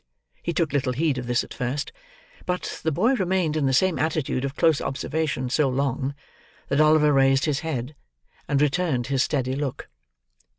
He took little heed of this at first; but the boy remained in the same attitude of close observation so long, that Oliver raised his head, and returned his steady look.